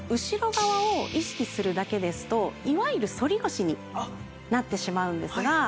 後ろ側を意識するだけですといわゆる反り腰になってしまうんですが。